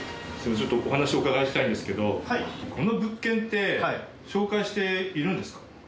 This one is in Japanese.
ちょっとお話をお伺いしたいんですけどこの物件って紹介しているんですか？